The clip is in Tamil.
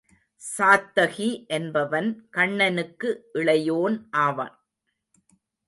சாத்தகி என்பவன் கண்ணனுக்கு இளையோன் ஆவான்.